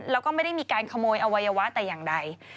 แล้วก็ไม่ได้มีการขโมยอวัยวะแต่อย่างใด